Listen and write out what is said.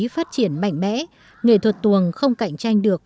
phát triển mạnh mẽ nghệ thuật tuồng không cạnh tranh được